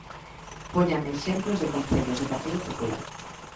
Póñame exemplos de concellos do Partido Popular.